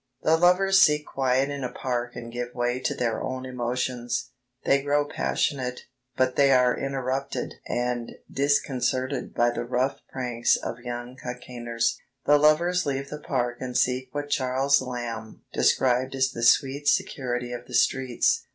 The lovers seek quiet in a park and give way to their own emotions. They grow passionate, but they are interrupted and disconcerted by the rough pranks of young Cockaigners. The lovers leave the park and seek what Charles Lamb described as the sweet security of the streets.